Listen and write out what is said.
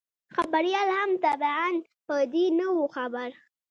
خبریال هم طبعاً په دې نه وو خبر.